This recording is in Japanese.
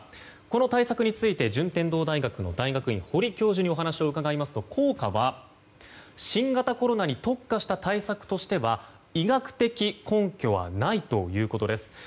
この対策について順天堂大学大学院の堀教授にお話を伺いますと効果は新型コロナに特化した対策としては医学的根拠はないということです。